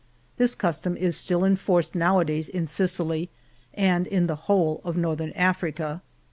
This custom is still enforced nowadays in Sicily and in the whole of Northern Africa.